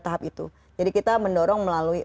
tahap itu jadi kita mendorong melalui